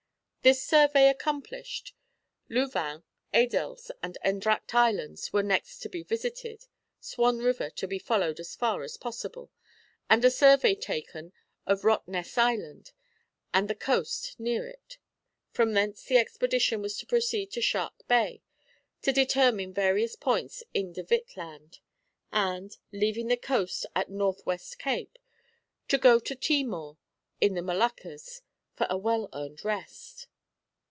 This survey accomplished, Leuvin, Edels, and Endracht Islands were next to be visited, Swan River to be followed as far as possible, and a survey taken of Rottnest Island and the coast near it. From thence the expedition was to proceed to Shark Bay, to determine various points in De Witt Land, and, leaving the coast at North West Cape, to go to Timor, in the Moluccas, for a well earned rest.